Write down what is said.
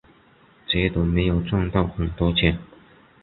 觉得没有赚到很多钱